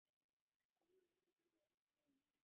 মূল রাস্তা থেকে কিছুটা সরে গেছেন।